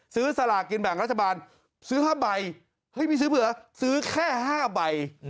สลากินแบ่งรัฐบาลซื้อ๕ใบเฮ้ยไม่ซื้อเผื่อซื้อแค่๕ใบ